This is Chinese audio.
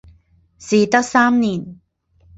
嗣德三年。